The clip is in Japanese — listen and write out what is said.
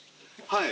はい。